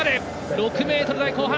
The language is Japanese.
６ｍ台後半。